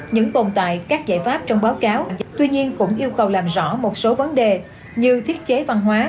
những tồn tại các giải pháp trong báo cáo tuy nhiên cũng yêu cầu làm rõ một số vấn đề như thiết chế văn hóa